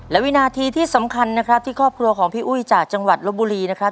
และวินาทีที่สำคัญนะครับที่ครอบครัวของพี่อุ้ยจากจังหวัดลบบุรีนะครับ